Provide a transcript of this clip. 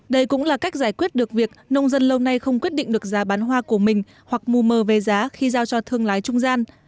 đây cũng là cách giải quyết được việc nông dân lâu nay không quyết định được giá bán hoa của mình hoặc mù mờ về giá khi giao cho thương lái trung gian